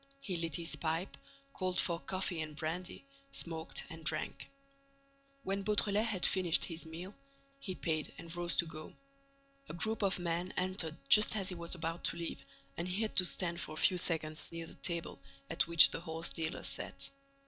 He lit his pipe, called for coffee and brandy, smoked and drank. When Beautrelet had finished his meal, he paid and rose to go. A group of men entered just as he was about to leave and he had to stand for a few seconds near the table at which the horse dealer sat.